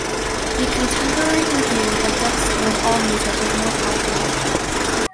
The contemporary review by Doug Stone of AllMusic was more positive.